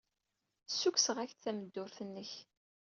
Ssukkseɣ-ak-d tameddurt-nnek.